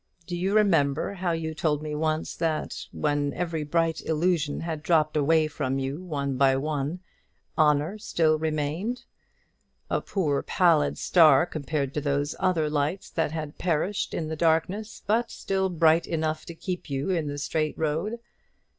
Do you remember how you told me once that, when every bright illusion had dropped away from you one by one, honour still remained, a poor pallid star, compared to those other lights that had perished in the darkness, but still bright enough to keep you in the straight road?